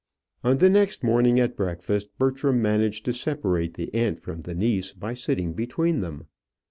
On the next morning at breakfast, Bertram managed to separate the aunt from the niece by sitting between them.